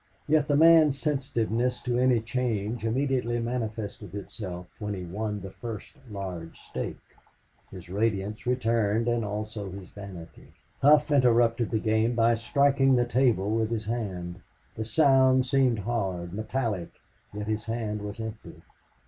Yet the man's sensitiveness to any change immediately manifested itself when he won the first large stake. His radiance returned and also his vanity. Hough interrupted the game by striking the table with his hand. The sound seemed hard, metallic, yet his hand was empty.